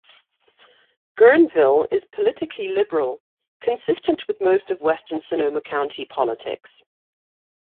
Guerneville is politically liberal, consistent with most of western Sonoma County politics.